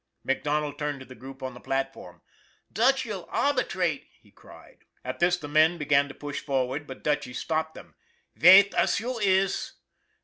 MacDonald turned to the group on the platform. " Dutchy'll arbitrate !" he cried. At this the men began to push forward, but Dutchy stopped them. " Vait as you iss